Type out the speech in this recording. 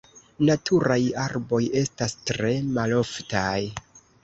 Naturaj arboj estas tre maloftaj.